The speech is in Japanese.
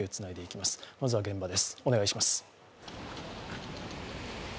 まずは現場です。